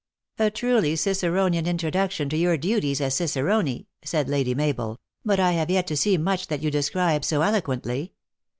" A truly Ciceronian introduction to your duties as cicerone" said Lady Mabel. " But I have yet to see much that you describe so eloquently.